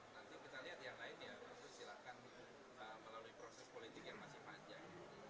nanti kita lihat yang lain ya silahkan melalui proses politik yang masih panjang